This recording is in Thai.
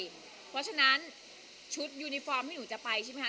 เพราะฉะนั้นชุดยูนิฟอร์มที่หนูจะไปใช่ไหมคะ